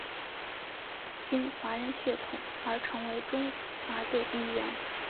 因华人血统而成为中华队一员。